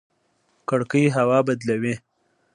کړکۍ هوا بدلوي